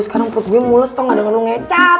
sekarang perut gue mulus tau gak denger lu ngecap